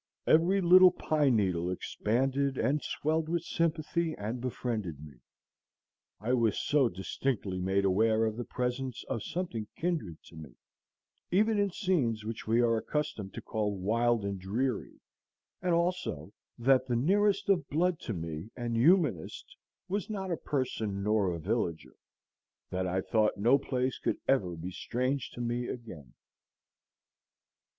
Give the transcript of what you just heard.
Every little pine needle expanded and swelled with sympathy and befriended me. I was so distinctly made aware of the presence of something kindred to me, even in scenes which we are accustomed to call wild and dreary, and also that the nearest of blood to me and humanest was not a person nor a villager, that I thought no place could ever be strange to me again.